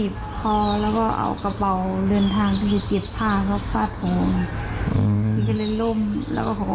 ปลอดษะหล่อไหม้เราร่ายแทง